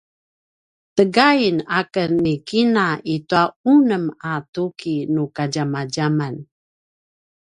tegain aken ni kina i tua unem a tuki nu kadjamadjaman